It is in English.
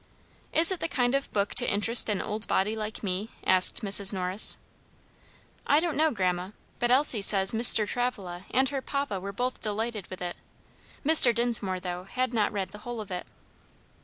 "Is it the kind of book to interest an old body like me?" asked Mrs. Norris. "I don't know, grandma; but Elsie says Mr. Travilla and her papa were both delighted with it. Mr. Dinsmore, though, had not read the whole of it."